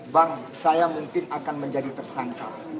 bang saya mungkin akan menjadi tersangka